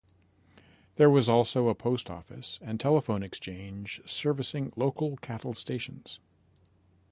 There was also a post office and telephone exchange servicing local cattle stations.